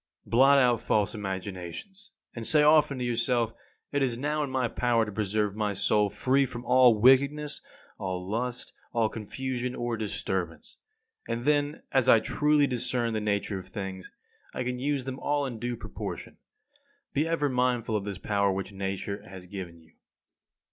29. Blot out false imaginations, and say often to yourself: It is now in my power to preserve my soul free from all wickedness, all lust, all confusion or disturbance. And then, as I truly discern the nature of things, I can use them all in due proportion. Be ever mindful of this power which Nature has given you.